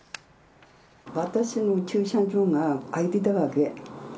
私の駐車場が空いてたわけ。